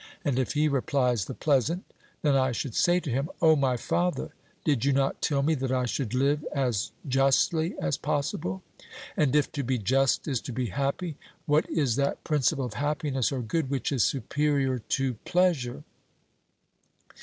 And if he replies 'The pleasant,' then I should say to him, 'O my father, did you not tell me that I should live as justly as possible'? and if to be just is to be happy, what is that principle of happiness or good which is superior to pleasure?